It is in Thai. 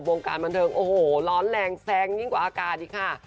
วงการบันเทิงโอ้โหร้อนแรงแซงยิ่งกว่าอากาศอีกค่ะ